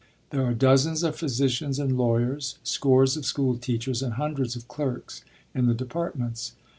There are dozens of physicians and lawyers, scores of school teachers, and hundreds of clerks in the departments.